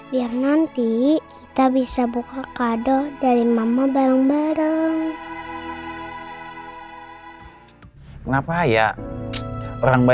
biar nanti kita bisa buka kado dari mama bareng bareng